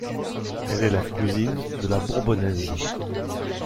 Elle est la cousine de la bourbonnaise.